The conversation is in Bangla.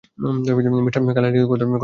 মিস্টার কার্লাইলের কথাটা ভাবছিলাম আমি।